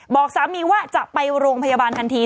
บอกสามีว่าจะไปโรงพยาบาลทันที